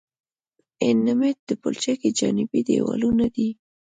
ابټمنټ د پلچک جانبي دیوالونه دي